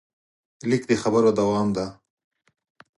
لیک د خبرو دوام دی.